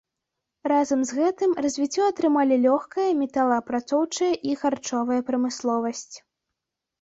Разам з гэтым развіццё атрымалі лёгкая, металаапрацоўчая і харчовая прамысловасць.